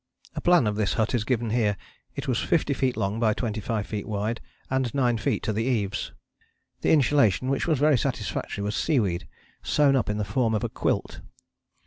A plan of this hut is given here. It was 50 feet long, by 25 feet wide, and 9 feet to the eaves. The insulation, which was very satisfactory, was seaweed, sewn up in the form of a quilt.